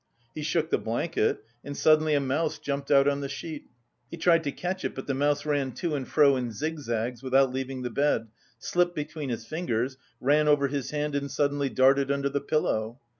He shook the blanket and suddenly a mouse jumped out on the sheet. He tried to catch it, but the mouse ran to and fro in zigzags without leaving the bed, slipped between his fingers, ran over his hand and suddenly darted under the pillow.